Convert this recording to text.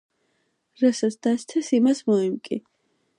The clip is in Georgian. რასაც დასთეს იმას მოიმკი